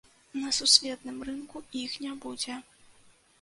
На сусветным рынку іх не будзе.